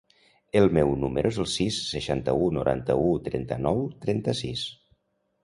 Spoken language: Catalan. El meu número es el sis, seixanta-u, noranta-u, trenta-nou, trenta-sis.